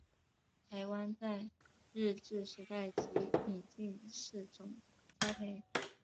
台湾在日治时代即引进试种栽培。